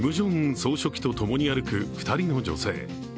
総書記とともに歩く２人の女性。